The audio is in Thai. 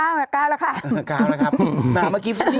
๙แล้วค่ะ๙แล้วค่ะ๙แล้วค่ะ